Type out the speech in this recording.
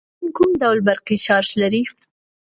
الکترون کوم ډول برقي چارچ لري.